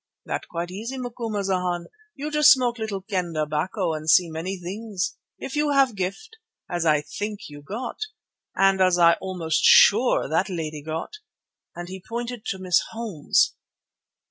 "That quite easy, Macumazana. You just smoke little Kendah 'bacco and see many things, if you have gift, as I think you got, and as I almost sure that lady got," and he pointed to Miss Holmes.